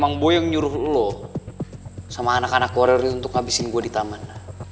jika boy yang menyuruh anda dan anak anak korer itu untuk menghabiskan saya di taman